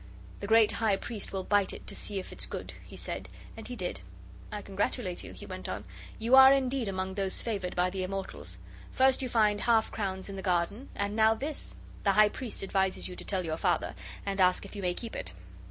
'The great high priest will bite it to see if it's good,' he said, and he did. 'I congratulate you,' he went on; 'you are indeed among those favoured by the Immortals. First you find half crowns in the garden, and now this. The high priest advises you to tell your Father, and ask if you may keep it.